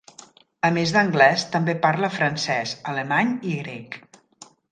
A més d'anglès, també parla francès, alemany i grec.